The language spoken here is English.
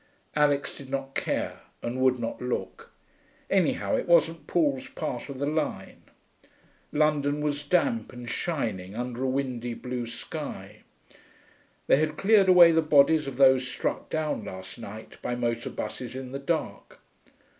Alix did not care and would not look. Anyhow it wasn't Paul's part of the line. London was damp and shining under a windy blue sky. They had cleared away the bodies of those struck down last night by motor buses in the dark.